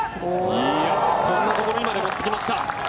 こんなところにまで持ってきました。